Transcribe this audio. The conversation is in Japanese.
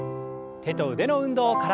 手と腕の運動から。